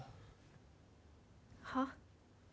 はっ？